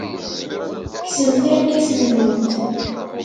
Kksemt irkasen-nwent.